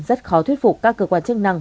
rất khó thuyết phục các cơ quan chức năng